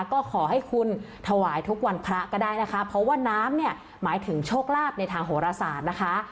ก็ขอให้คุณถวายทุกวันพระก็ได้นะคะเพราะว่าน้ำเนี่ยหมายถึงโชคลาภในทางโหรศาสตร์นะคะ